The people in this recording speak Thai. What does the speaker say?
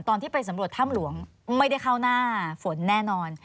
ตอนที่ไปสำรวจถ้ำหลวงไม่ได้เข้าหน้าฝนแน่นอน